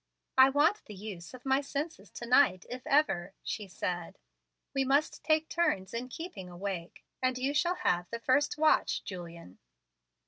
"I want the use of my senses to night, if ever," she said. "We must take turns in keeping awake, and you shall have the first watch, Julian."